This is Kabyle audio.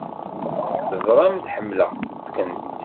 Teẓramt ḥemmleɣ-kent!